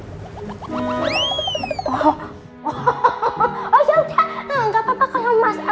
yaudah gak papa kalau mas al